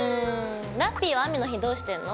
ラッピィは雨の日どうしてんの？